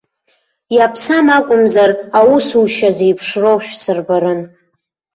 Иаԥсам акәымзар, аусушьа зеиԥшроу шәсырбарын.